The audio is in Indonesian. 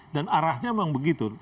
dan arahnya memang begitu